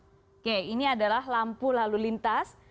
oke ini adalah lampu lalu lintas